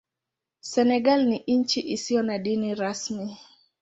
Senegal ni nchi isiyo na dini rasmi.